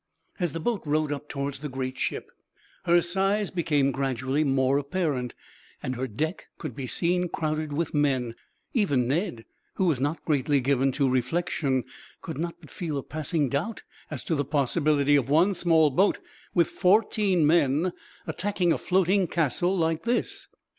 As the boat rowed up towards the great ship, her size became gradually more apparent, and her deck could be seen crowded with men; even Ned, who was not greatly given to reflection, could not but feel a passing doubt as to the possibility of one small boat, with fourteen men, attacking a floating castle like this.